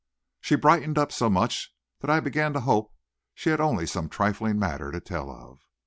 She brightened up so much that I began to hope she had only some trifling matter to tell of.